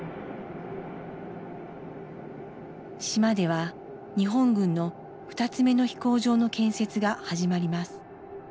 島では日本軍の２つ目の飛行場の建設が始まります。